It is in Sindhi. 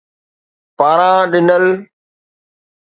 پاران ڏنل